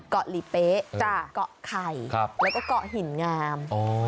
เกาะหลีเป๊ะเกาะไข่แล้วก็เกาะหินงาม